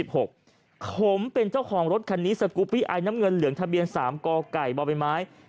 ผมเป็นเจ้าของรถคันนี้สกูปปี้ไอน้ำเงินเหลืองทะเบียน๓กไก่บใบไม้